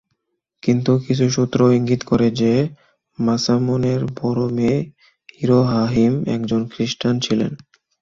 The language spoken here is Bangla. কিন্তু, কিছু সূত্র ইঙ্গিত করে যে, মাসামুনের বড় মেয়ে ইরোহাহিম একজন খ্রিস্টান ছিলেন।